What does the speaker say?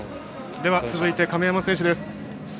では、続いて亀山選手です。